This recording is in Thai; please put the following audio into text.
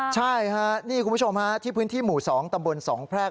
ใช่ค่ะนี่คุณผู้ชมฮะที่พื้นที่หมู่๒ตำบล๒แพรก